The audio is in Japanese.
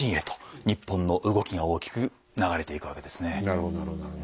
なるほどなるほど。